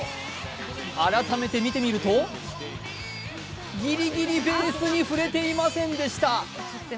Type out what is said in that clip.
改めて見てみるとギリギリベースに触れていませんでした。